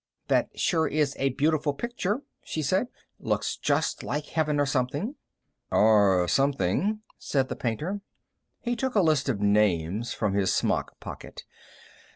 "That sure is a beautiful picture," she said. "Looks just like heaven or something." "Or something," said the painter. He took a list of names from his smock pocket.